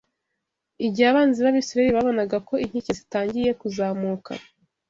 Igihe abanzi b,Abisirayeli babonaga ko inkike zitangiye kuzamuka